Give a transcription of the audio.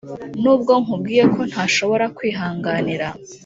nubwo nkubwiye ko ntashobora kwihanganira,